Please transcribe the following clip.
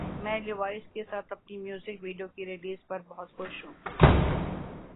میں لیوائز کے ساتھ اپنی میوزک ویڈیو کی ریلیز پر بہت خوش ہوں